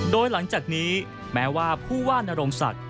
โดยหลังจากนี้แม้ว่าผู้ว่านโรงศักดิ์